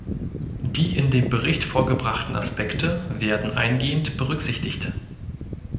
Die in dem Bericht vorgebrachten Aspekte werden eingehend berücksichtigt.